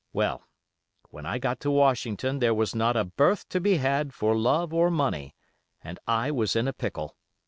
Well, when I got to Washington there was not a berth to be had for love or money, and I was in a pickle.